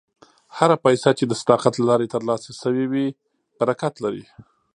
هره پیسه چې د صداقت له لارې ترلاسه شوې وي، برکت لري.